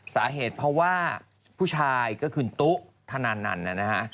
สาเหตุเพราะว่าผู้ชายก็คือตุ๊ธนานันต์นะฮะ